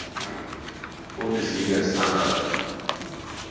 Bundesliga Standard.